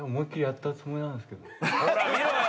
ほら見ろよ。